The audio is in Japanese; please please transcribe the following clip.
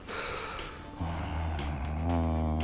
うん。